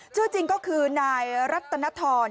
ชื่อจริงก็คือนายรัตนทร